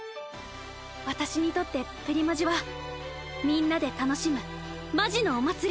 私にとってプリマジはみんなで楽しむマジのお祭り！